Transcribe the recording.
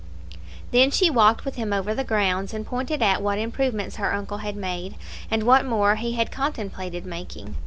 Then she walked with him over the grounds, and pointed out what improvements her uncle had made, and what more he had contemplated making.